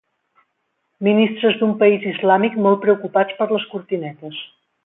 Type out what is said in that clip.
Ministres d'un país islàmic molt preocupats per les cortinetes.